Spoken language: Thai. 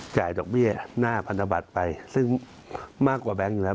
ดอกเบี้ยหน้าพันธบัตรไปซึ่งมากกว่าแบงค์อยู่แล้ว